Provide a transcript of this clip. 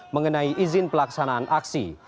mengenai izin pelaksanaan aksi